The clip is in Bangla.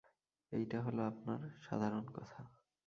এইটা হইল আপনার সাধারণ কথা।